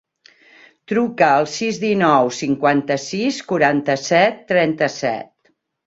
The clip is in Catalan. Truca al sis, dinou, cinquanta-sis, quaranta-set, trenta-set.